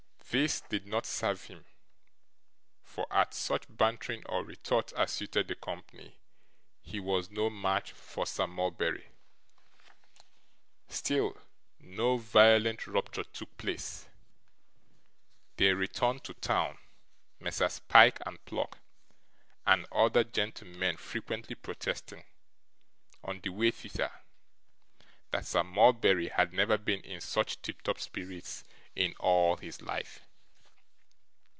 This did not serve him; for, at such bantering or retort as suited the company, he was no match for Sir Mulberry. Still, no violent rupture took place. They returned to town; Messrs Pyke and Pluck and other gentlemen frequently protesting, on the way thither, that Sir Mulberry had never been in such tiptop spirits in all his life.